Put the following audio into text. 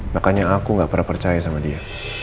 makanya aku gak pernah percaya sama dia